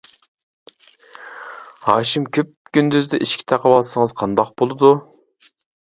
ھاشىم كۈپكۈندۈزدە ئىشىك تاقىۋالسىڭىز قانداق بولىدۇ.